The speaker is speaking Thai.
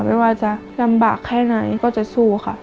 ไม่ว่าจะลำบากแค่ไหนก็จะสู้ค่ะ